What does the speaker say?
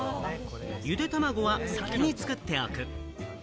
ゆで卵は先に作っておく。